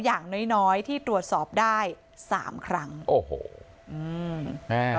อย่างน้อยที่ตรวจสอบได้๓ครั้งโอ้โหอ่า